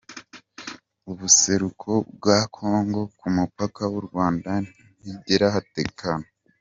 Ubuseruko bwa Congo ku mupaka w'u Rwanda, ntihigera hatekana.